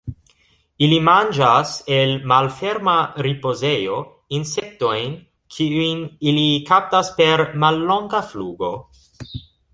Ili manĝas el malferma ripozejo insektojn kiujn ili kaptas per mallonga flugo.